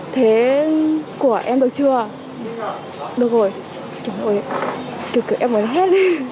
thế của em được chưa được rồi kiểu kiểu em muốn hết